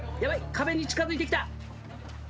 壁に近づいてきた！